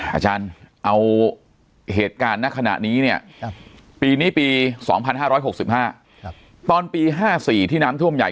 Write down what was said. อาจารย์เอาเหตุการณ์ณขณะนี้เนี่ยปีนี้ปี๒๕๖๕ตอนปี๕๔ที่น้ำท่วมใหญ่